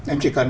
em chỉ cần